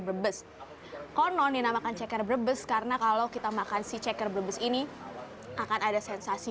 bebes konon dinamakan ceker bebes karena kalau kita makan sih ceker bebes ini akan ada sensasi